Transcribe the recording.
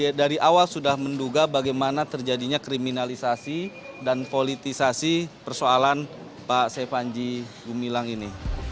jadi kita dari awal sudah menduga bagaimana terjadinya kriminalisasi dan politisasi persoalan pak panjegu bilang ini